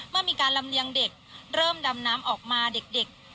เมื่อมีการลำเลียงเด็กเริ่มดำน้ำออกมาเด็ก